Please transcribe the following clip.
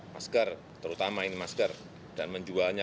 masker terutama ini masker dan menjualnya